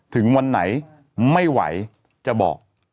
ถึงวันไหนไม่ไหวจะบอก